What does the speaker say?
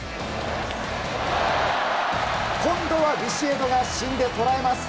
今度はビシエドが芯で捉えます。